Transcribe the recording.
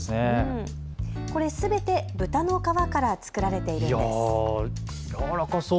これすべて豚の革から作られているんです。